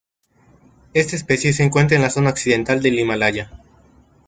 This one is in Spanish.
Esta especie se encuentra en la zona occidental del Himalaya.